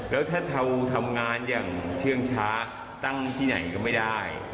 แล้วถ้าเราทำงานอย่างเชื่องช้าตั้งที่ไหนก็ไม่ได้